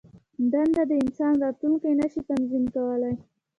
دنده د انسان راتلوونکی نه شي تضمین کولای.